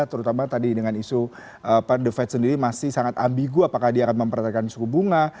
terutama tadi dengan isu the fed sendiri masih sangat ambigu apakah dia akan memperhatikan suku bunga